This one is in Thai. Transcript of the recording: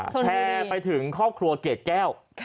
แชร์ไปถึงครอบครัวเกรดแก้ว